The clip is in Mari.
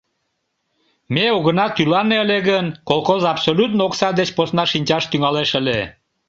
Ме огына тӱлане ыле гын, колхоз абсолютно окса деч посна шинчаш тӱҥалеш ыле...